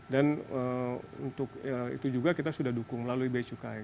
dan untuk itu juga kita sudah dukung melalui becukai